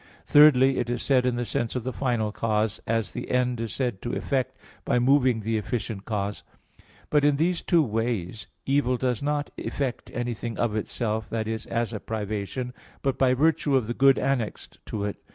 Thirdly, it is said in the sense of the final cause, as the end is said to effect by moving the efficient cause. But in these two ways evil does not effect anything of itself, that is, as a privation, but by virtue of the good annexed to it.